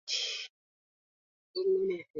It has practically noantitussive activity.